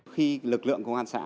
khi lực lượng công an xã